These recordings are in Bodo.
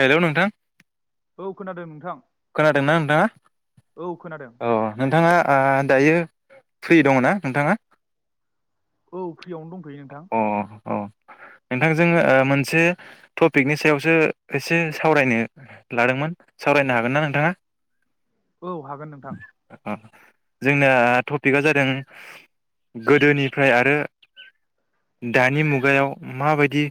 हेल' नोंथां औ खोनादों नोंथां। खोनादोंना नोंथाङा औ खोनादों अ नोंथाङा दायो फ्रि दङ ना नोंथाङा? औ फ्रियावनो दंथ'यो नोंथां। अ अ नोंथांजों मोनसे टपिकनि सायावसो एसे सावरायनो लादोंमोन सावरायनो हा गोनना नोंथाङा? औ हागोन नोंथां। अ जोंना टपिकआ जादों गोदोनिफ्राय आरो दानि मुगायाव माबायदि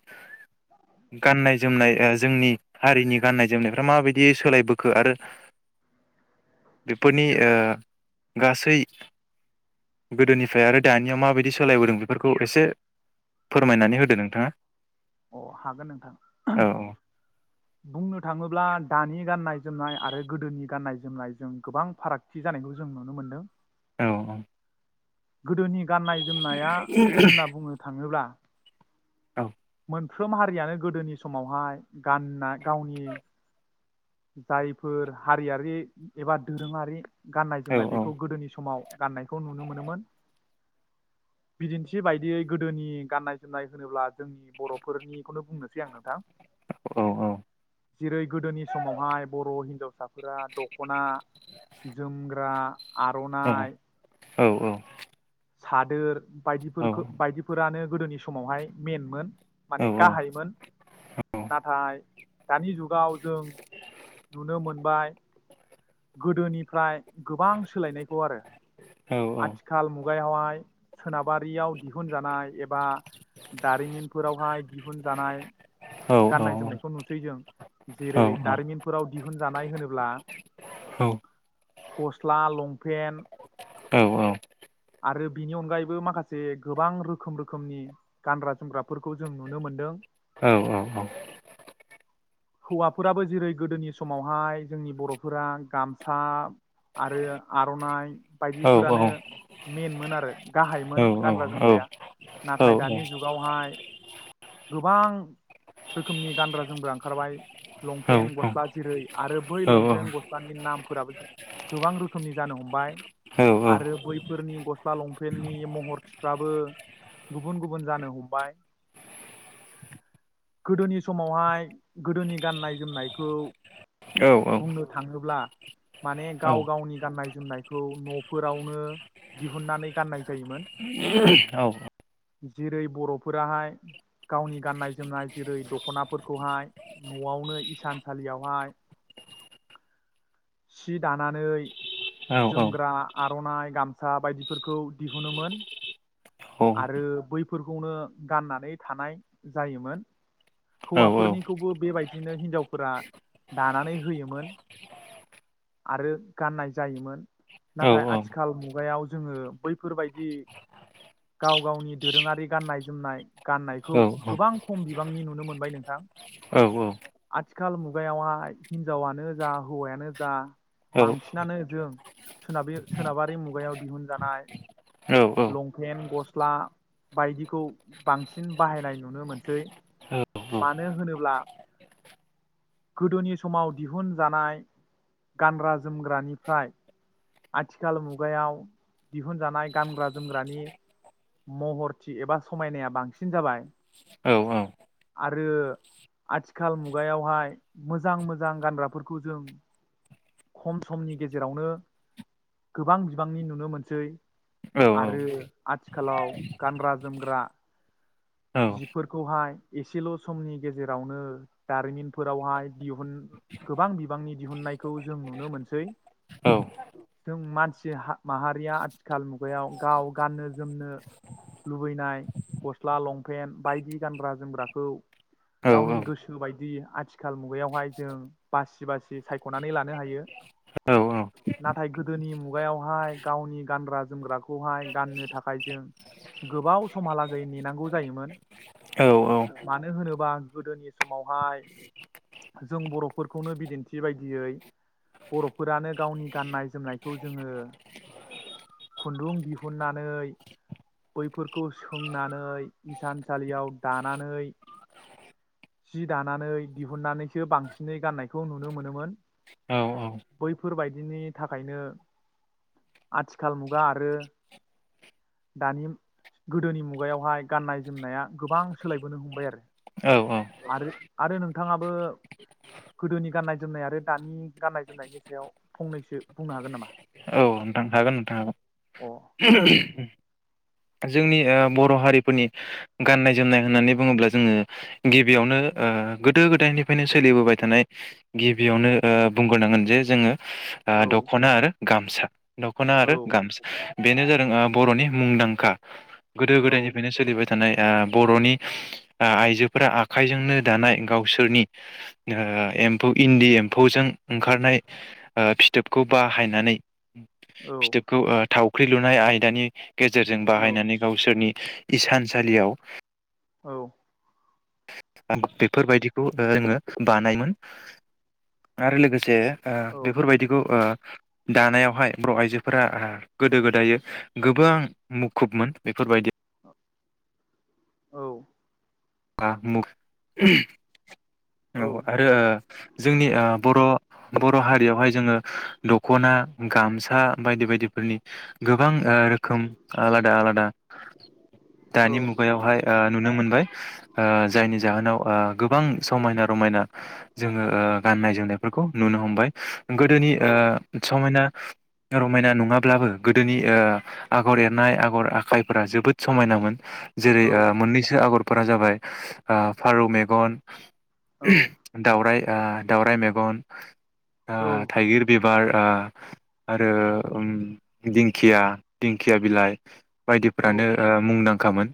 गाननाय जोमनाय जोंनि हारिनि गाननाय जोमनायफ्रा माबायदि सोलायबो आरो बेफोरनि गासै गोदोनिफ्राय आरो दानिया माबायदि सोलायबोदों बेफोरखौ एसे फोरमायनानै होदो नोंथाङा। अ हागोन नोंथां औ बुंनो थाङोब्ला दानि गाननाय जोमनाय आरो गोदोनि गाननाय जोमनायजों गोबां फारागथि जानायखौ जों नुनो मोनदों। औ औ। गोदोनि गाननाय जोमनाया होनना बुंनो थाङोब्ला औ। मोनफ्रोम हारियानो गोदोनि समावहाय गाननाय गावनि जायफोर हारियारि एबा दोरोङारि गाननाय औ जोमनाय औ बेखौ गोदोनि समाव गाननायखौ नुनो मोनोमोन‌। बिदिन्थि बायदियै गोदोनि गाननाय जोमनाय होनोब्ला जोंनि बर'फोरनिखौनो बुंनोसै आं नोंथां। औ जेरै गोदोनि [unintelligible] बर' हिनजावसाफोरा दख'ना जोमग्रा आर'नाइ औ औ सादोर बायदिफोरखौ बायदिफोरानो गोदोनि समावहाय मेइनमोन। माने गाहायमोन नाथाय दानि जुगाव जों नुनो मोनबाय गोदोनिफ्राय गोबां सोलायनायखौ आरो आथिखाल मुगायाव मुगायावहाय सोनाबारियाव दिहुनजानाय एबा दारिमिनफोरावहाय दिहुन जानाय गाननाय जोमनायखौ नुसै जों जेरै दारिमिनफोराव दिहुनजानाय होनोब्ला औ गस्ला लंफेन्ट औ औ आरो बिनि अनगायैबो माखासे गोबां रोखोम रोखोमनि गानग्रा जोमग्राफोरखौ जों नुनो मोनदों हौवाफोराबो जेरै गोदोनि समावहाय जोंनि बर' फोरा गामसा आरो आरनाइ बायदिफोरानो मेन मोन आरो गाहाइमोन गानग्रा जोमग्राया नाथाय दानि जुगावहाय गोबां रोखोमनि गानग्रा जोमग्रा ओंखारबाय लंपेन्ट गस्ला जेरै आरो बै लंपेट लंपेन गस्लानि नामफोराबो गोबां रोखोमनि जानो हमबाय आरो बैफोरनि गस्ला लंपेननि महरथिफ्राबो गुबुन गुबुन जानो हमबाय गोदोनि समावहाय गोदोनि गाननाय जोमनायखौ औ बुंनो थाङोब्ला माने औ गाव गावनि गाननाय जोमनायखौ न'फोरावनो दिहुननानै गाननाय जायोमोन जेरै बर'फोरा हाय गावनि गाननाय जोमनाय जेरै दख'नाफोरखौहाय न'आवनो इसानसालियावहाय सि दानानै जोमग्रा आरनाइ गामसा बायदिफोरखौ दिहुनोमोन आरो बैफोरखौनो गाननानै थानाय जायोमोन हौवाफोरनिखौबो बेबायदिनो हिनजावफोरा दानानै होयोमोन आरो गाननाय जायोमोन नाथाय आथिखाल मुगायाव जोङो बैफोरबायदि गाव गावनि दोरोङारि गाननाय जोमनाय गाननायखौ गोबां खम बिबांनि नुनो मोनबाय नोंथां आथिखाल मुगायावहाय हिनजावानो जा हौवायानो जा बांसिनानो जों सोनाबारि मुगायाव दिहुनजानाय लंपेन्ट गस्ला बायदिखौ बांसिन बाहायनाय नुनो मोनसै मानो होनोब्ला गोदोनि समाव दिहुनजानाय गानग्रा जोमग्रानिफ्राय आथिखाल मुगायाव दिहुनजानाय गानग्रा जोमग्रानि महरथि एबा समायनाया बांसिन जाबाय आरो आथिखाल मुगायावहाय मोजां मोजां गानग्राफोरखौ जों खम समनि गेजेरावनो गोबां बिबांनि नुनो मोनसै आरो आथिखालाव गानग्रा जोमग्रा जिफोरखौहाय एसेल समनि गेजेरावनो दारिमिनफोरावहाय गोबां बिबांनि दिहुननाय खौ जों नुनो मोनसै जों मानसि माहारिया आथिखाल मुगायाव गाव गाननो जोमनो लुबैनाय गस्ला लंपेन्ट बायदि गानग्रा जोमग्राखौ गावनि गोसो बायदि आथिखाल मुगायावहाय जों बासि बासि साइखनाय सायख'नानै लानो हायो नाथाय गोदोनि मुगायावहाय गावनि गानग्रा जोमग्राखौहाय गाननो थाखाय जों गोबाव समहालागै नेनांगौ जायोमोन मानो होनोबा गोदोनि समावहाय जों बर'फोरखौनो बिदिन्थि बायदियै गिबियै बर'फोरानो गावनि गाननाय जोमनायखौ जोङो ग खुन्दुं दिहुननानै बैफोरखौ सोंनानै इसानसालियाव दानानै जि दानानै दिहुनन्नानैसो बांसिनै गाननायखौ नुनो मोनोमोन बैफोरबायदिनि थाखायनो आथिखाल मुगा आरो दानि गोदोनि मुगायावहाय गाननाय जोमनाया गोबां सोलायबोनो हमबाय आरो आरो नोंथाङाबो गोदोनि गाननाय जोमनाय आरो दानि गाननाय जोमनायनि सायाव फंनैसो बुंनो हागोन नामा? नोंथां हागोन नोंथां औ जोंनि ओ बर' हारिफोरा फोरनि गान्नाय जोमनाय होननानै बुङोब्ला जोङो गिबियावनो गोदो गोदायनिफ्रायनो सोलिबोबाय थानाय गिबियावनो बुंग्रोनांगोन जे जोङो आ औ दखना आरो गामसा दख'ना औ आरो गामस बेनो जादों बर'नि मुंदांखा गोदो औ गोदायनिफ्रायनो सोलिबाय थानाय बर'नि आइजोफोरा आखाइजोंनो दानाय गावसोरनि एम्फौ इन्दि एम्फौजों ओंखारनाय फिथोबखौ बाहायनानै औ फिथोबखौ थावख्रि लुनाय आयदानि गेजेरजों औ बाहायनानै गावसोरनि इसानसालियाव औ बेफोरबायदिखौ जोङो बानायमोन आरो लोगोसे औ बेफोरबायदिखौ दानायावहाय बर' आइजोफोरा गोदो गोदायो गोबां मुखुबमोन बेफोरबायदि औ [unintelligible] औ औ आरो जोंनि बर' बर' हारियावहाय जोङो दख'ना गामसा बायदि बायदिफोरनि गोबां रोखोम आलादा आलादा दानि मुगायावहाय नुनो मोनबाय [inaudible] जायनि जाहोनाव ओ गोबां समायना रमायना जोङो गाननाय जोमनायफोरखौ नुनो हमबाय गोदोनि ओ समायना रमायना नङाब्लाबो गोदोनि आगर एरनाय आगर आखाइफोरा जोबोद समायनामोन जेरै मोननैसो आगर फोरा‌ जाबाय फारौ मेगन दाउराय दा दाउराइ मेगन आ थाइगिर बे ओ आरो ओम दिंखिया दिंखिया बिलाइ औ बायदिफ्रानो ओम मुंदांखामोन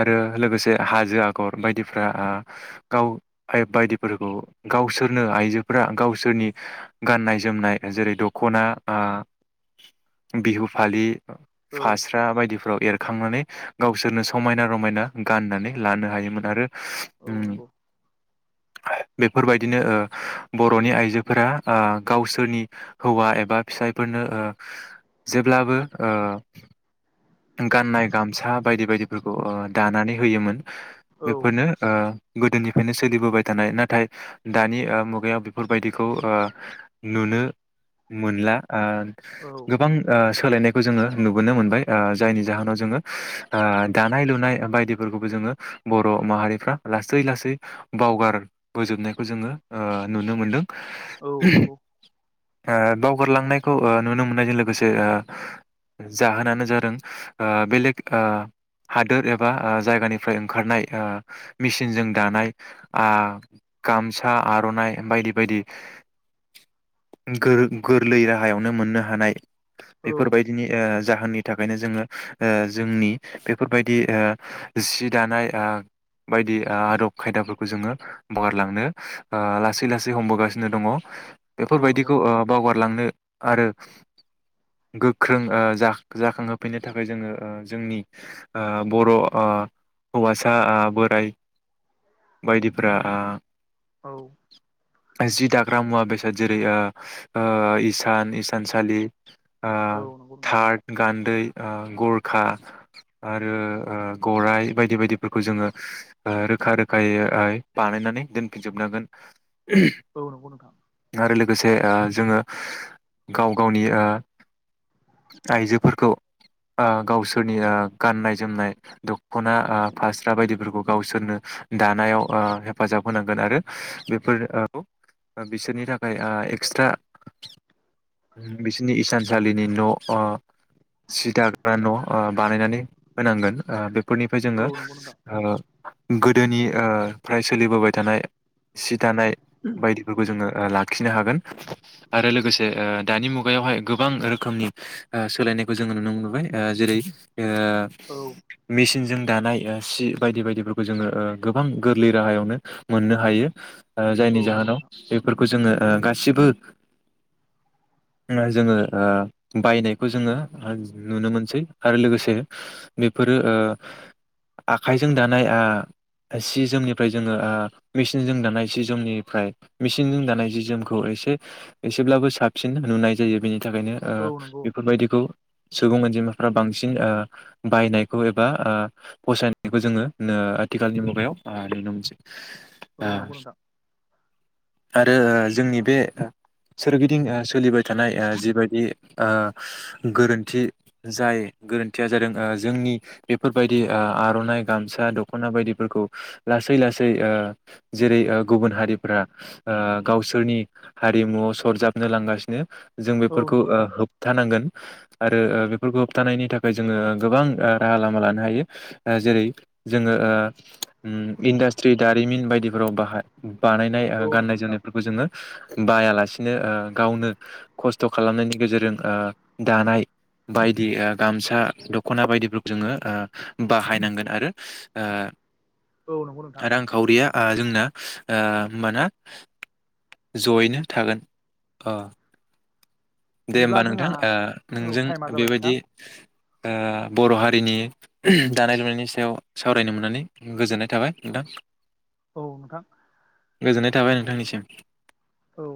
आरो लोगोसे हाजो जो आगर बायदिफ्रा गाव बायदिफोरखौ गावसोरनो आइजोफोरा गावसोरनि गाननाय जोमनाय जेरै दख'ना आ बिहु फालि औ फास्रा बायदिफ्राव एरखांनानै गावसोरनो समायना रमायना गाननानै लानो हायोमोन आरो औ उम नंगौ बेफोरबायदिनो ओ बर'नि आइजोफोरा ओ गावसोरनि हौवा एबा फिसायफोरनो ओ जेब्लाबो ओ गाननाय गामसा बायदि बायदिफोरखौ ओ दानानै होयोमोन औ बेफोरनो ओ गोदोनिफ्रायनो सोलिबोबाय थानाय नाथाय दानि ओ मुगायाव बेफोरबादिखौ ओ नुनो मोनला ओ औ गोबां ओ सोलायनायखौ जोङो नुबोनो मोनबाय ओ जायनि जाहोनाव जोङो ओ दानाय लुनाय बायदिफोरखौबो जोङो बर' माहारिफ्रा लासै लासै बावगार बोजोबनायखौ जोङो ओ नुनो मोनदों औ नंगौ ओ बावगारलांनायखौ ओ नुनो मोननायजों लोगोसे ओ जाहोनानो जादों ओ बेलेग ओ हादोर एबा जायगानि फ्राय ओंखारनाय ओ मेसिनजों दानाय आ गामसा आर'नाइ बायदि बायदि गोर गोरलै राहायावनो मोननो हानाय औ बेफोरबायदिनो ओ जाहोननि थाखायनो जोङो ओ जोंनि बेफोरबायदि ओ जि दानाय ओ बायदि आदब खायदाफोरखौ जोङो बावगारलांनो लासै लासै हमबोगासिनो दङ' औ नंगौ बेफोरबादिखौ ओ नोंथां बावगारलांनो आरो गोख्रों ओ जाख जाखांहोफैनो थाखाय जोङो जोंनि बर' ओ हौवासा आ बोराइ बायदिफोरा आ औ। जि दाग्रा मुवा बेसाद जेरै ओ ओ इसान इसानसालि ओ औ नंगौ नोंथां थार गान्दै ओ गर खा आरो ओ गराय बायदि बायदिफोरखौ जोङो ओ रोखा रोखायै बानायनानै दोनफिनजोबनांगोन औ नंगौ नोंथां आरो लोगोसे ओ जोङो गाव गावनि ओ आइजोफोरखौ ओ गावसोरनि ओ गाननाय जोमनाय द खना ओ फास्रा बायदिफोरखौ गावसोरनो दानायाव ओ हेफाजाब होनांगोन आरो बेफोर बिसोरनि थाखाय ओ एक्सट्रा बिसोरनि इसानसालिनि न' अ सि दाग्रा न' ओ बानायनानै होनांगोन ओ बे फोरनिफाय औ जोङो नंगौ नोंथां ओ गो दोनि ओ फ्राय सोलिबोबाय थानाय सि दानाय बायदिफोरखौ जोङो ओ लाखिनो हागोन आरो लोगोसे ओ दानि मुगायावहाय गोबां रोखोमनि ओ सोलायनायखौ जोङो नुनो मोनबोनाय ओ जेरै औ ओ मेसिनजों दानाय ओ सि बायदि बायदिफोरखौ जोङो ओ गोबां गोरलै राहायावनो मोननो हायो ओ औ जायनि नंगौ जाहोनाव नोंथां बेफोरखौ जोङो ओ गासिबो ओ जोङो ओ बायनायखौ जोङो नुनो मोनसै आरो लोगोसे बेफोर रो ओ आखाइजों दानाय आ सि जोमनिफ्राय जोङो आ मेसिनजों दानाय सि जोमनिफ्राय मेसिनजों दानाय जि जोमखौ एसे एसेब्लाबो साबसिन नुनाय जायो बेनि थाखायनो ओ औ नंगौ बेफोरबायदिखौ सुबुं अनजिमाफ्रा बांसिन ओ बायनाय खौ एबा ओ फसायनायखौ जोङो ओ आथिखालनि मुगायाव ओ नुनो मोनसै। औ नंगौ नोंथां। ओ ओ जोंनि बे सोरगिदिं ओ सोलिबाय थानाय ओ जिबायदि ओ गोरोन्थि जाय गोरोन्थिया जादों ओ जोंनि बेफोरबायदि ओ आर'नाइ गामसा दख'ना बायदिफोरखौ लासै लासै ओ जेरै ओ गुबुन हारिफ्रा ओ गावसोरनि हारिमुआव सरजाबनो लांगासिनो। जों औ बेफोरखौ नंगौ ओ नोंथां होबथानांगोन आरो ओ बेफोरखौ होबथानायनि थाखाय जोङो गोबां ओ राहा लामा लानो हायो जेरै जोङो ओ उम इन्डास्ट्रि दारिमिन बायदिफोराव बाहाय बानायनाय ओ औ गाननाय नंगौ नोंथां जोमनायफोरखौ जोङो बायालासिनो ओ गावनो खस्थ' खालामनायनि गेजेरजों ओ दानाय बायदि गामसा दख'ना बायदिफोरखौ जोङो ओ बाहायनांगोन आरो ओ औ नंगौ नोंथां रांखावरिया ओ जों ना ओ होनबाना जयैनो थागोन ओ दे बिदिब्ला होमबा नोंथां जोंहा ओ औ नोंजों टाइमा जाबाय नोंथां बेबायदि ओ बर' हा रिनि दानाय लुनायनि सायाव सावरायनो मोननानै गोजोननाय थाबाय नोंथां। औ नोंथां। गोजोननाय थाबाय नोंथांनिसिम। औ।